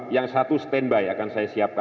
yang satu standby akan saya siapkan